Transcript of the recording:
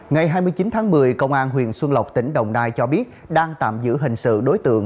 ngày hai mươi chín tháng một mươi công an huyện xuân lộc tỉnh đồng nai cho biết đang tạm giữ hình sự đối tượng